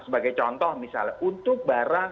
sebagai contoh misalnya untuk barang